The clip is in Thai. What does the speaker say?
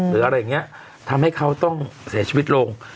หรืออะไรอย่างนี้ทำให้เขาต้องเสียชีวิตลง